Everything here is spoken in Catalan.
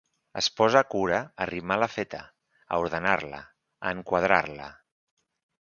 Es posa cura a rimar la feta, a ordenar-la, a enquadrar-la.